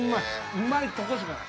うまいとこしかない。